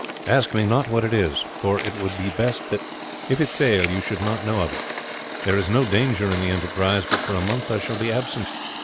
Ask me not what it is, for it were best that if it fail you should not know of it. There is no danger in the enterprise, but for a month I shall be absent.